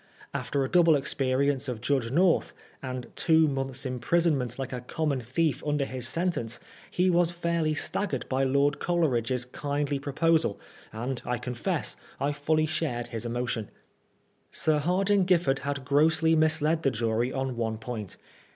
After a double experience of Judge North, and two months' imprisonment like a common thief under his sentence, he was fairly staggered by Lord Coleridge's kindly proposal, and I confess I fully shared his emotion. Sir Hardinge GiflEard had grossly misled the jury on one point.